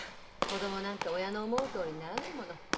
子供なんて親の思うとおりにならないもの。